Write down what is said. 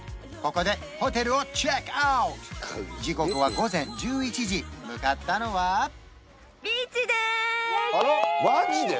ここでホテルをチェックアウト時刻は午前１１時向かったのはイエーイマジで？